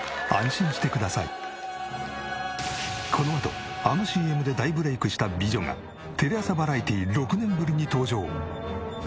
このあとあのＣＭで大ブレイクした美女がテレ朝バラエティー６年ぶりに登場！